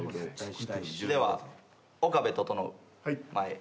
では岡部整前へ。